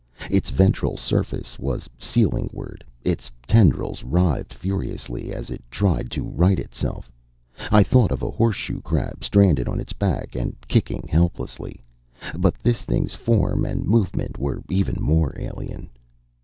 Its ventral surface was ceiling ward; its tendrils writhed furiously as it tried to right itself. I thought of a horseshoe crab, stranded on its back and kicking helplessly. But this thing's form and movement were even more alien.